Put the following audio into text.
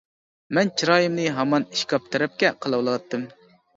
مەن چىرايىمنى ھامان ئىشكاپ تەرەپكە قىلىۋالاتتىم.